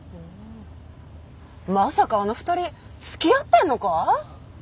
まさかあの２人つきあってんのか？